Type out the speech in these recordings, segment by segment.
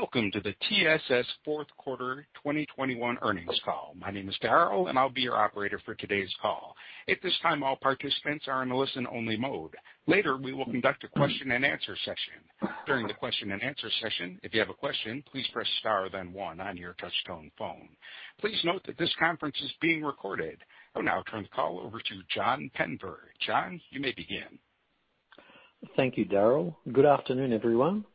Welcome to the TSS fourth quarter 2021 earnings call. My name is Darryl, and I'll be your operator for today's call. At this time, all participants are in a listen-only mode. Later, we will conduct a question-and-answer session. During the question-and-answer session, if you have a question, please press star then one on your touch-tone phone. Please note that this conference is being recorded. I'll now turn the call over to John Penver. John, you may begin. Thank you, Darryl. Good afternoon, everyone,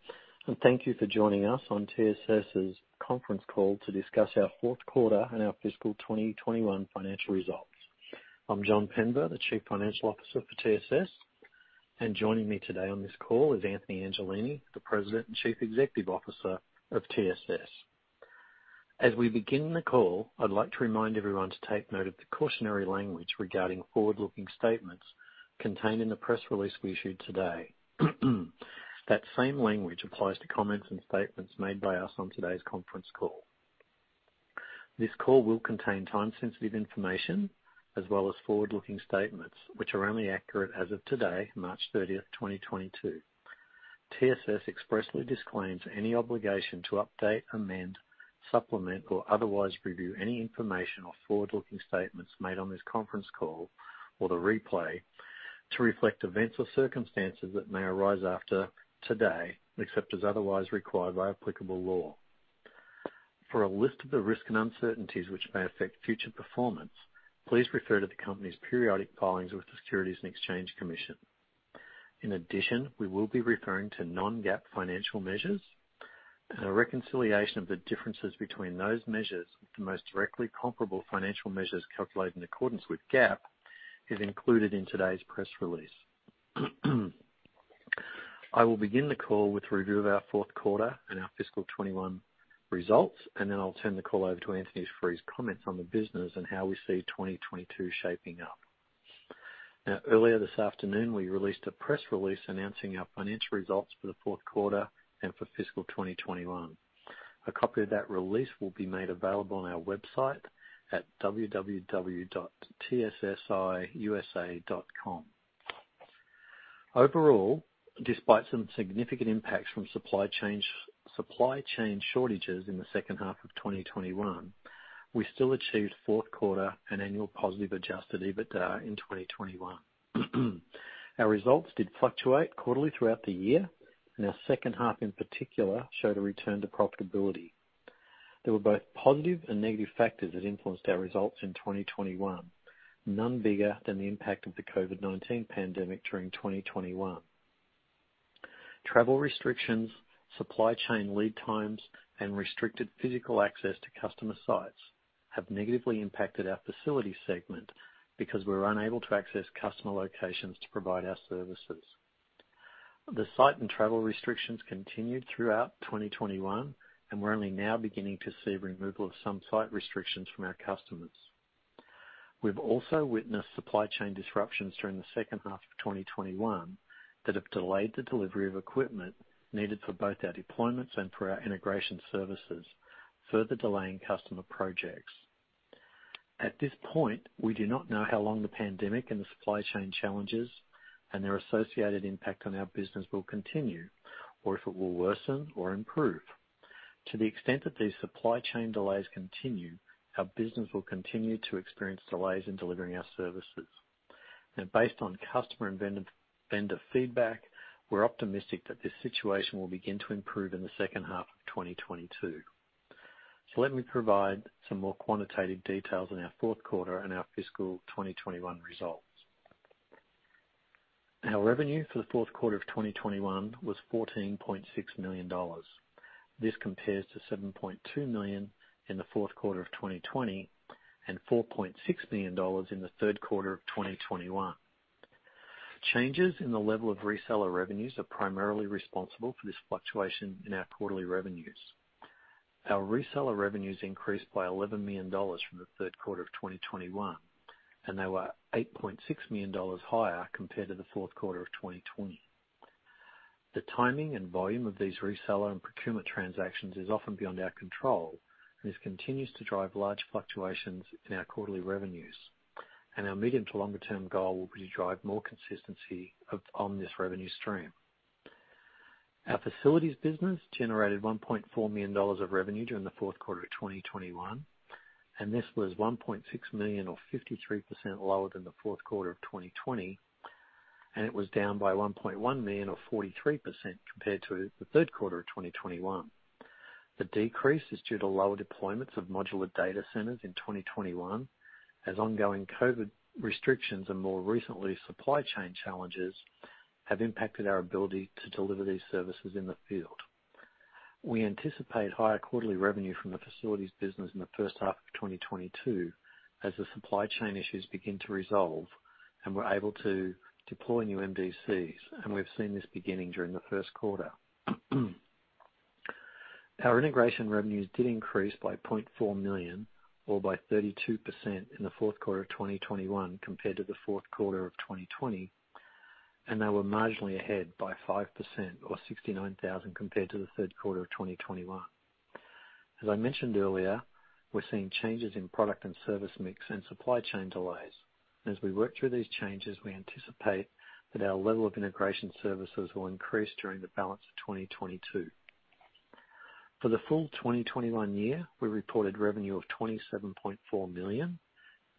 and thank you for joining us on TSS's conference call to discuss our fourth quarter and our fiscal 2021 financial results. I'm John Penver, the Chief Financial Officer for TSS, and joining me today on this call is Anthony Angelini, the President and Chief Executive Officer of TSS. As we begin the call, I'd like to remind everyone to take note of the cautionary language regarding forward-looking statements contained in the press release we issued today. That same language applies to comments and statements made by us on today's conference call. This call will contain time-sensitive information as well as forward-looking statements which are only accurate as of today, March 30th, 2022. TSS expressly disclaims any obligation to update, amend, supplement, or otherwise review any information or forward-looking statements made on this conference call or the replay to reflect events or circumstances that may arise after today, except as otherwise required by applicable law. For a list of the risks and uncertainties which may affect future performance, please refer to the company's periodic filings with the Securities and Exchange Commission. In addition, we will be referring to non-GAAP financial measures, and a reconciliation of the differences between those measures with the most directly comparable financial measures calculated in accordance with GAAP is included in today's press release. I will begin the call with a review of our fourth quarter and our fiscal 2021 results, and then I'll turn the call over to Anthony for his comments on the business and how we see 2022 shaping up. Earlier this afternoon, we released a press release announcing our financial results for the fourth quarter and for fiscal 2021. A copy of that release will be made available on our website at www.tssiusa.com. Overall, despite some significant impacts from supply chain shortages in the second half of 2021, we still achieved fourth quarter and annual positive Adjusted EBITDA in 2021. Our results did fluctuate quarterly throughout the year, and our second half in particular showed a return to profitability. There were both positive and negative factors that influenced our results in 2021, none bigger than the impact of the COVID-19 pandemic during 2021. Travel restrictions, supply chain lead times, and restricted physical access to customer sites have negatively impacted our facilities segment because we were unable to access customer locations to provide our services. The site and travel restrictions continued throughout 2021, and we're only now beginning to see removal of some site restrictions from our customers. We've also witnessed supply chain disruptions during the second half of 2021 that have delayed the delivery of equipment needed for both our deployments and for our integration services, further delaying customer projects. At this point, we do not know how long the pandemic and the supply chain challenges and their associated impact on our business will continue or if it will worsen or improve. To the extent that these supply chain delays continue, our business will continue to experience delays in delivering our services. And based on customer and vendor feedback, we're optimistic that this situation will begin to improve in the second half of 2022, so let me provide some more quantitative details on our fourth quarter and our fiscal 2021 results. Our revenue for the fourth quarter of 2021 was $14.6 million. This compares to $7.2 million in the fourth quarter of 2020 and $4.6 million in the third quarter of 2021. Changes in the level of reseller revenues are primarily responsible for this fluctuation in our quarterly revenues. Our reseller revenues increased by $11 million from the third quarter of 2021, and they were $8.6 million higher compared to the fourth quarter of 2020. The timing and volume of these reseller and procurement transactions is often beyond our control, and this continues to drive large fluctuations in our quarterly revenues, and our medium to longer-term goal will be to drive more consistency on this revenue stream. Our facilities business generated $1.4 million of revenue during the fourth quarter of 2021, and this was $1.6 million, or 53%, lower than the fourth quarter of 2020, and it was down by $1.1 million, or 43%, compared to the third quarter of 2021. The decrease is due to lower deployments of modular data centers in 2021, as ongoing COVID restrictions and more recently supply chain challenges have impacted our ability to deliver these services in the field. We anticipate higher quarterly revenue from the facilities business in the first half of 2022 as the supply chain issues begin to resolve and we're able to deploy new MDCs, and we've seen this beginning during the first quarter. Our integration revenues did increase by $0.4 million, or by 32%, in the fourth quarter of 2021 compared to the fourth quarter of 2020, and they were marginally ahead by 5%, or $69,000, compared to the third quarter of 2021. As I mentioned earlier, we're seeing changes in product and service mix and supply chain delays. As we work through these changes, we anticipate that our level of integration services will increase during the balance of 2022. For the full 2021 year, we reported revenue of $27.4 million.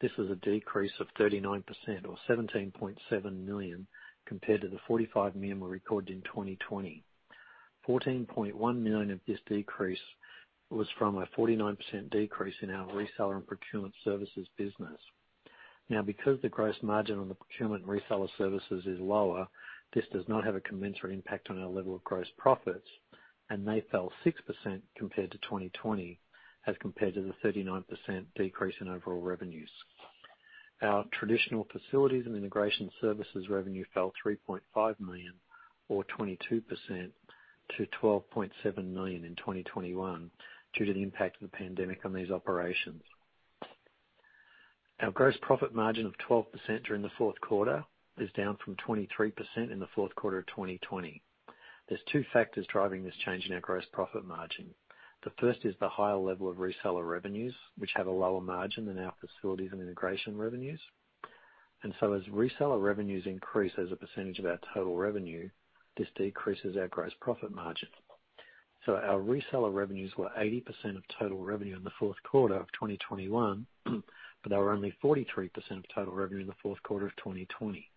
This was a decrease of 39%, or $17.7 million, compared to the $45 million we recorded in 2020. $14.1 million of this decrease was from a 49% decrease in our reseller and procurement services business. Now, because the gross margin on the procurement and reseller services is lower, this does not have a commensurate impact on our level of gross profits, and they fell 6% compared to 2020 as compared to the 39% decrease in overall revenues. Our traditional facilities and integration services revenue fell $3.5 million, or 22%, to $12.7 million in 2021 due to the impact of the pandemic on these operations. Our gross profit margin of 12% during the fourth quarter is down from 23% in the fourth quarter of 2020. There's two factors driving this change in our gross profit margin. The first is the higher level of reseller revenues, which have a lower margin than our facilities and integration revenues. And so, as reseller revenues increase as a percentage of our total revenue, this decreases our gross profit margin. So our reseller revenues were 80% of total revenue in the fourth quarter of 2021, but they were only 43% of total revenue in the fourth quarter of 2020.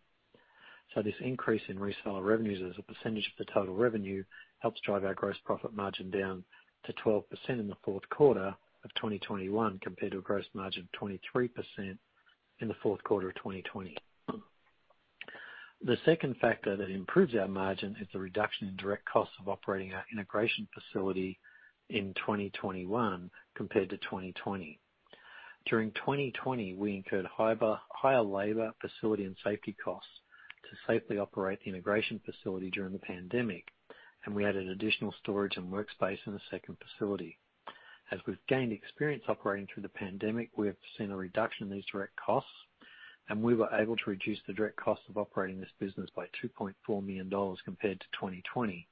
So this increase in reseller revenues as a percentage of the total revenue helps drive our gross profit margin down to 12% in the fourth quarter of 2021 compared to a gross margin of 23% in the fourth quarter of 2020. The second factor that improves our margin is the reduction in direct costs of operating our integration facility in 2021 compared to 2020. During 2020, we incurred higher labor, facility, and safety costs to safely operate the integration facility during the pandemic, and we added additional storage and workspace in the second facility. As we've gained experience operating through the pandemic, we have seen a reduction in these direct costs, and we were able to reduce the direct costs of operating this business by $2.4 million compared to 2020,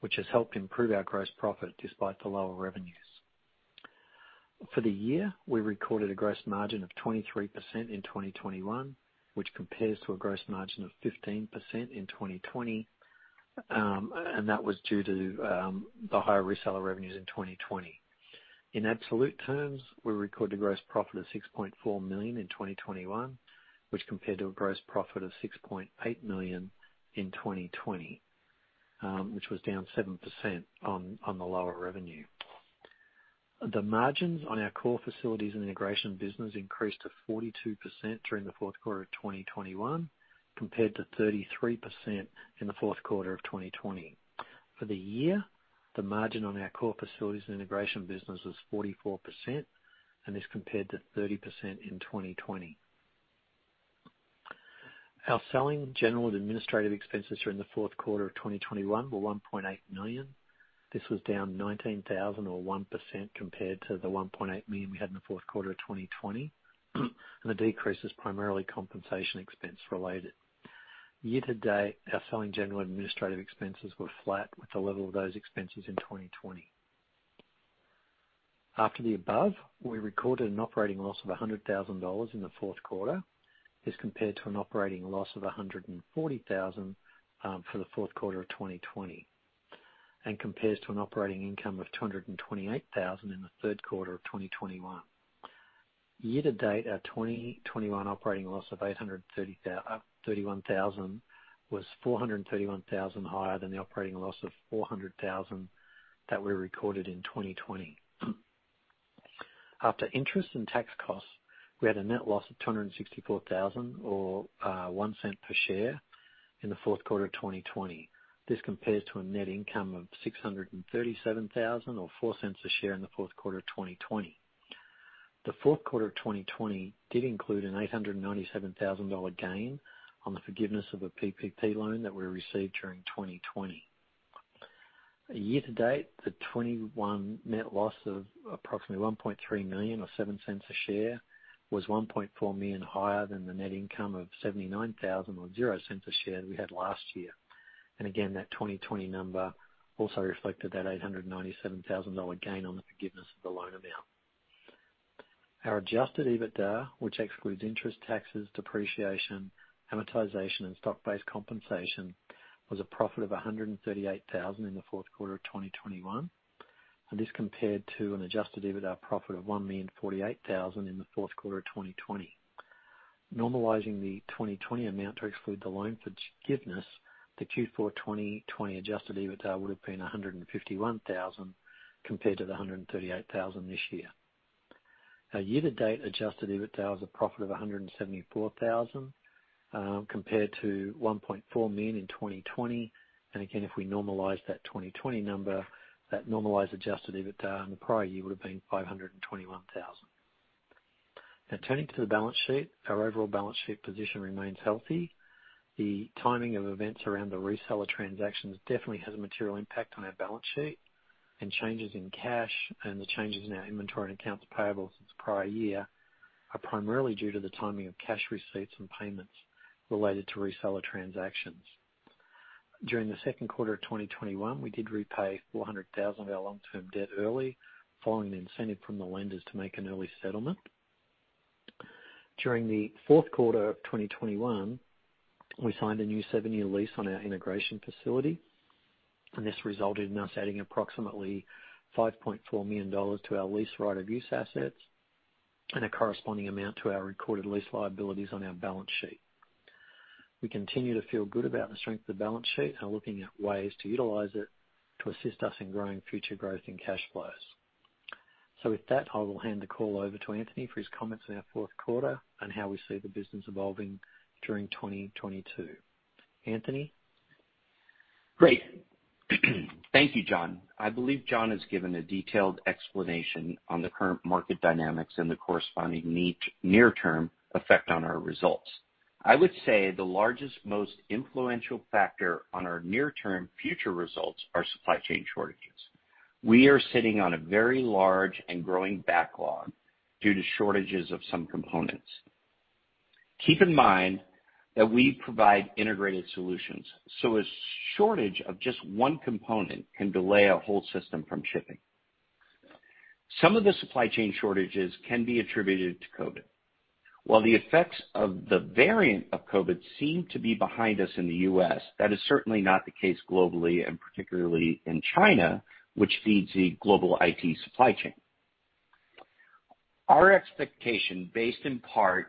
which has helped improve our gross profit despite the lower revenues. For the year, we recorded a gross margin of 23% in 2021, which compares to a gross margin of 15% in 2020, and that was due to the higher reseller revenues in 2020. In absolute terms, we recorded a gross profit of $6.4 million in 2021, which compared to a gross profit of $6.8 million in 2020, which was down 7% on the lower revenue. The margins on our core facilities and integration business increased to 42% during the fourth quarter of 2021 compared to 33% in the fourth quarter of 2020. For the year, the margin on our core facilities and integration business was 44%, and this compared to 30% in 2020. Our selling, general, and administrative expenses during the fourth quarter of 2021 were $1.8 million. This was down $19,000, or 1%, compared to the $1.8 million we had in the fourth quarter of 2020, and the decrease is primarily compensation expense related. Year to date, our selling, general, and administrative expenses were flat with the level of those expenses in 2020. After the above, we recorded an operating loss of $100,000 in the fourth quarter. This compared to an operating loss of $140,000 for the fourth quarter of 2020 and compares to an operating income of $228,000 in the third quarter of 2021. Year to date, our 2021 operating loss of $831,000 was $431,000 higher than the operating loss of $400,000 that we recorded in 2020. After interest and tax costs, we had a net loss of $264,000, or 1 cent per share, in the fourth quarter of 2020. This compares to a net income of $637,000, or 4 cents a share in the fourth quarter of 2020. The fourth quarter of 2020 did include an $897,000 gain on the forgiveness of a PPP loan that we received during 2020. Year to date, the 2021 net loss of approximately $1.3 million, or 7 cents a share, was $1.4 million higher than the net income of $79,000, or 0 cents a share that we had last year. And again, that 2020 number also reflected that $897,000 gain on the forgiveness of the loan amount. Our adjusted EBITDA, which excludes interest, taxes, depreciation, amortization, and stock-based compensation, was a profit of $138,000 in the fourth quarter of 2021, and this compared to an adjusted EBITDA profit of $1,048,000 in the fourth quarter of 2020. Normalizing the 2020 amount to exclude the loan forgiveness, the Q4 2020 adjusted EBITDA would have been $151,000 compared to the $138,000 this year. Our year to date adjusted EBITDA was a profit of $174,000 compared to $1.4 million in 2020, and again, if we normalize that 2020 number, that normalized adjusted EBITDA in the prior year would have been $521,000. Now, turning to the balance sheet, our overall balance sheet position remains healthy. The timing of events around the reseller transactions definitely has a material impact on our balance sheet, and changes in cash and the changes in our inventory and accounts payable since the prior year are primarily due to the timing of cash receipts and payments related to reseller transactions. During the second quarter of 2021, we did repay $400,000 of our long-term debt early following the incentive from the lenders to make an early settlement. During the fourth quarter of 2021, we signed a new seven-year lease on our integration facility, and this resulted in us adding approximately $5.4 million to our lease right-of-use assets and a corresponding amount to our recorded lease liabilities on our balance sheet. We continue to feel good about the strength of the balance sheet and are looking at ways to utilize it to assist us in growing future growth in cash flows. So with that, I will hand the call over to Anthony for his comments on our fourth quarter and how we see the business evolving during 2022. Anthony? Great. Thank you, John. I believe John has given a detailed explanation on the current market dynamics and the corresponding near-term effect on our results. I would say the largest, most influential factor on our near-term future results are supply chain shortages. We are sitting on a very large and growing backlog due to shortages of some components. Keep in mind that we provide integrated solutions, so a shortage of just one component can delay a whole system from shipping. Some of the supply chain shortages can be attributed to COVID. While the effects of the variant of COVID seem to be behind us in the U.S., that is certainly not the case globally and particularly in China, which feeds the global IT supply chain. Our expectation, based in part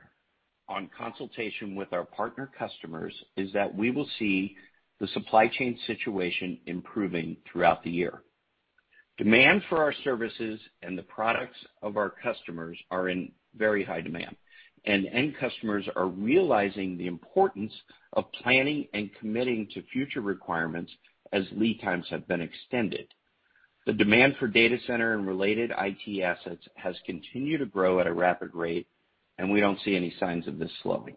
on consultation with our partner customers, is that we will see the supply chain situation improving throughout the year. Demand for our services and the products of our customers are in very high demand, and end customers are realizing the importance of planning and committing to future requirements as lead times have been extended. The demand for data center and related IT assets has continued to grow at a rapid rate, and we don't see any signs of this slowing.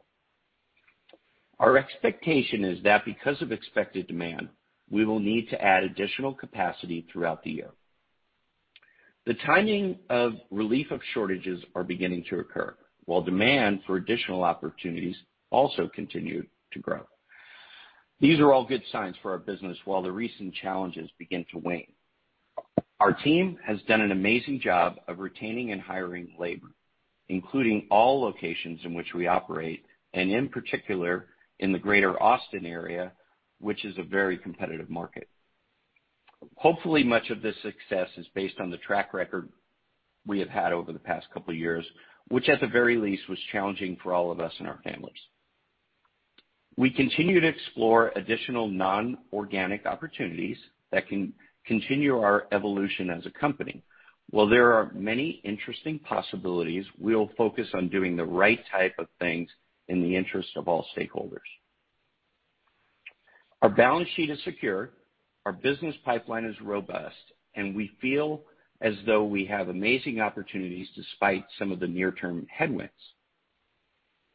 Our expectation is that because of expected demand, we will need to add additional capacity throughout the year. The timing of relief of shortages is beginning to occur, while demand for additional opportunities also continues to grow. These are all good signs for our business while the recent challenges begin to wane. Our team has done an amazing job of retaining and hiring labor, including all locations in which we operate and, in particular, in the greater Austin area, which is a very competitive market. Hopefully, much of this success is based on the track record we have had over the past couple of years, which, at the very least, was challenging for all of us and our families. We continue to explore additional non-organic opportunities that can continue our evolution as a company. While there are many interesting possibilities, we'll focus on doing the right type of things in the interest of all stakeholders. Our balance sheet is secure, our business pipeline is robust, and we feel as though we have amazing opportunities despite some of the near-term headwinds.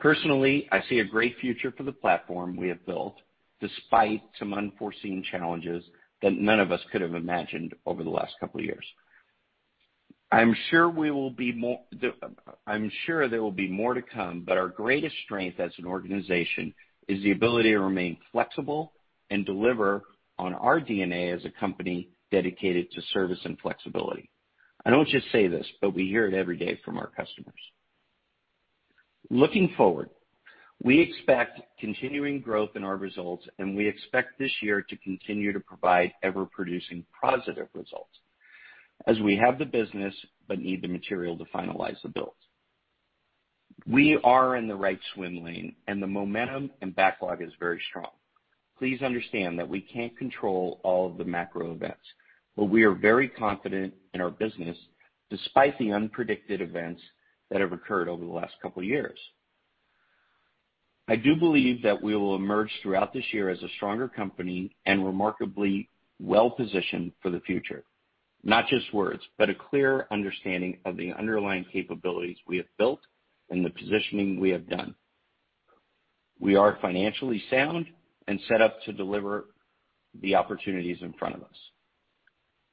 Personally, I see a great future for the platform we have built despite some unforeseen challenges that none of us could have imagined over the last couple of years. I'm sure there will be more to come, but our greatest strength as an organization is the ability to remain flexible and deliver on our DNA as a company dedicated to service and flexibility. I don't just say this, but we hear it every day from our customers. Looking forward, we expect continuing growth in our results, and we expect this year to continue to provide ever-producing positive results as we have the business but need the material to finalize the build. We are in the right swim lane, and the momentum and backlog is very strong. Please understand that we can't control all of the macro events, but we are very confident in our business despite the unpredicted events that have occurred over the last couple of years. I do believe that we will emerge throughout this year as a stronger company and remarkably well-positioned for the future, not just words, but a clear understanding of the underlying capabilities we have built and the positioning we have done. We are financially sound and set up to deliver the opportunities in front of us.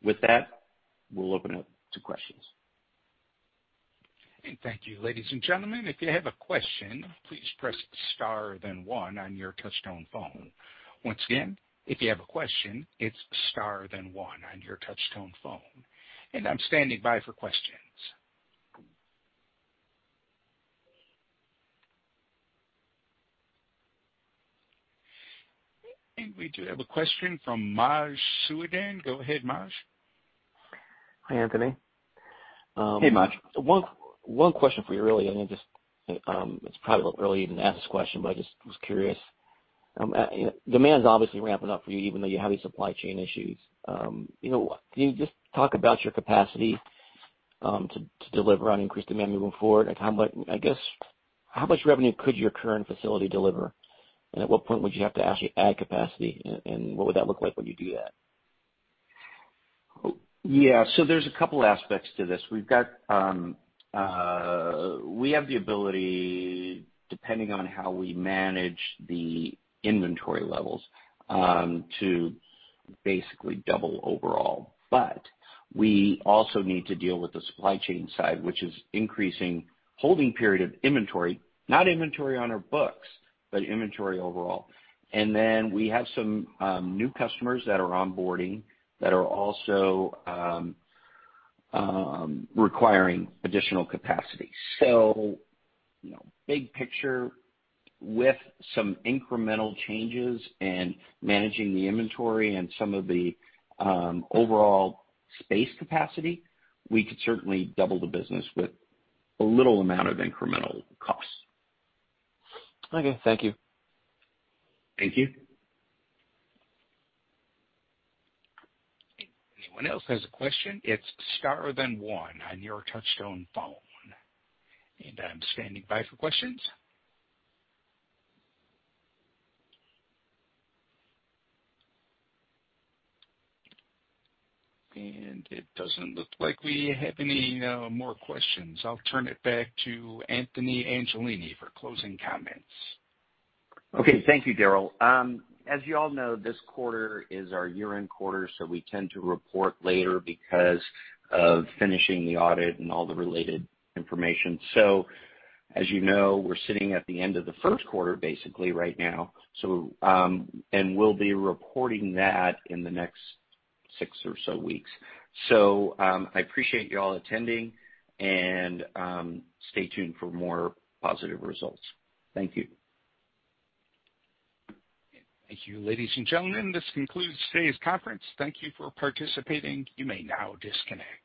With that, we'll open up to questions. Thank you, ladies and gentlemen. If you have a question, please press star then one on your touch-tone phone. Once again, if you have a question, it's star then one on your touch-tone phone. I'm standing by for questions. We do have a question from Maj Soueidan. Go ahead, Maj. Hi, Anthony. Hey, Maj. One question for you, really. And it's probably a little early even to ask this question, but I just was curious. Demand's obviously ramping up for you even though you have these supply chain issues. Can you just talk about your capacity to deliver on increased demand moving forward? I guess, how much revenue could your current facility deliver, and at what point would you have to actually add capacity, and what would that look like when you do that? Yeah, so there's a couple of aspects to this. We have the ability, depending on how we manage the inventory levels, to basically double overall, but we also need to deal with the supply chain side, which is increasing holding period of inventory, not inventory on our books, but inventory overall, and then we have some new customers that are onboarding that are also requiring additional capacity, so big picture, with some incremental changes and managing the inventory and some of the overall space capacity, we could certainly double the business with a little amount of incremental costs. Okay. Thank you. Thank you. Anyone else has a question? It's star then one on your touch-tone phone. And I'm standing by for questions. And it doesn't look like we have any more questions. I'll turn it back to Anthony Angelini for closing comments. Okay. Thank you, Darryl. As you all know, this quarter is our year-end quarter, so we tend to report later because of finishing the audit and all the related information. So as you know, we're sitting at the end of the first quarter basically right now, and we'll be reporting that in the next six or so weeks. So I appreciate you all attending, and stay tuned for more positive results. Thank you. Thank you, ladies and gentlemen. This concludes today's conference. Thank you for participating. You may now disconnect.